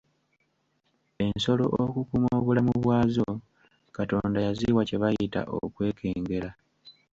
Ensolo okukuuma obulamu bwazo, Katonda yaziwa kye bayita okwekengera.